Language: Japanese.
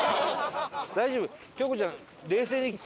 大丈夫？